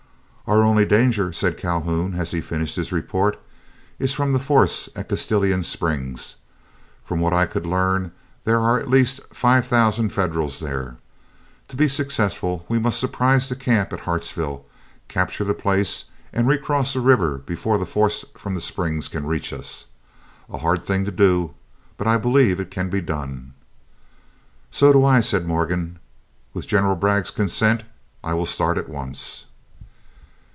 "Our only danger," said Calhoun, as he finished his report, "is from the force at Castalian Springs. From what I could learn there are at least five thousand Federals there. To be successful we must surprise the camp at Hartsville, capture the place, and re cross the river before the force from the Springs can reach us. A hard thing to do, but I believe it can be done." "So do I," said Morgan; "with General Bragg's consent, I will start at once."